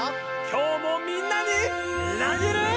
今日もみんなにみなぎる。